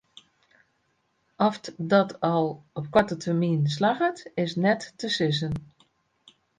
Oft dat al op koarte termyn slagget is net te sizzen.